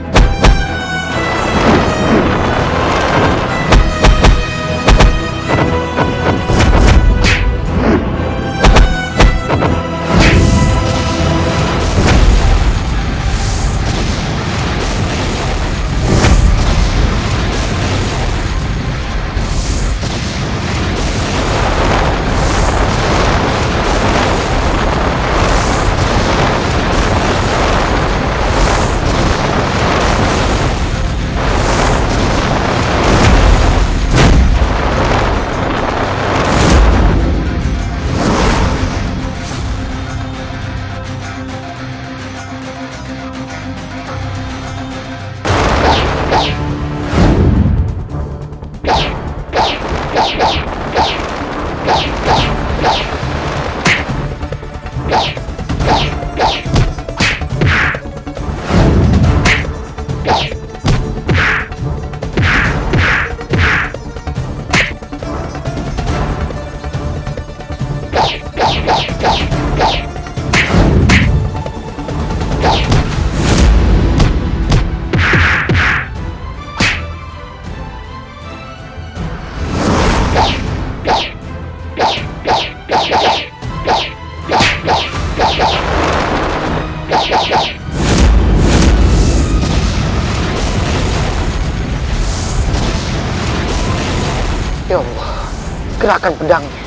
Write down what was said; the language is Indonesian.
kok ku tahu pengheretanmu